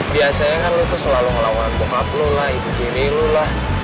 biasanya kan lo tuh selalu ngelawan bokap lo lah ibu jiri lo lah